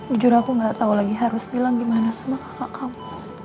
jujur aku gak tau lagi harus bilang gimana semua kakak kamu